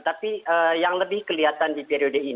tapi yang lebih kelihatan di periode ini